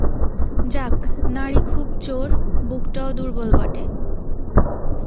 যাক! নাড়ী খুব জোর, বুকটাও দুর্বল বটে।